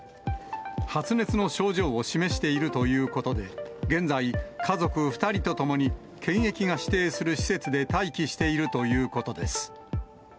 発熱の症状を示しているということで、現在、家族２人と共に検疫が指定する施設で待機しているということです。